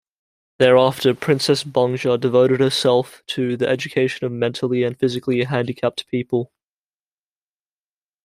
Thereafter, Princess Bangja devoted herself to the education of mentally and physically handicapped people.